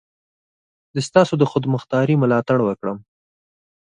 د ستاسو د خودمختاري ملاتړ وکړم.